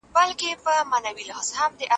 دا جرګه د ازادۍ او ولسواکۍ تمثيل کوي.